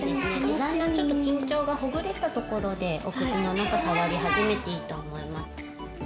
だんだんちょっと緊張がほぐれたところでお口の中触り始めていいと思います。